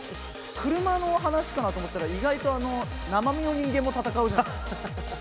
車の話かなと思ったら、意外と生身の人間も戦うじゃないですか。